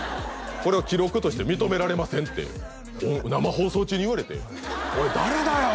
「これは記録として認められません」って生放送中に言われておい誰だよ！